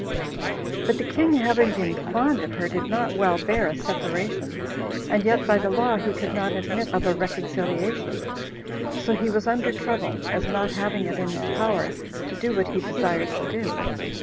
2. But the king having been fond of her, did not well bear a separation, and yet by the law he could not admit of a reconciliation; so he was under trouble, as not having it in his power to do what he desired to do.